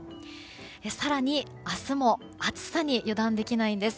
更に、明日も暑さに油断できないんです。